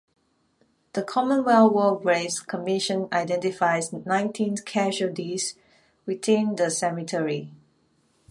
The Commonwealth War Graves Commission identifies nineteen casualties within the cemetery.